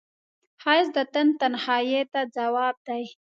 ښایست د تن تنهایی ته ځواب دی